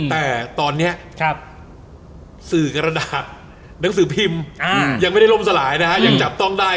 แต่ตอนนี้สื่อกระดาษหนังสือพิมพ์ยังไม่ได้ล่มสลายนะฮะยังจับต้องได้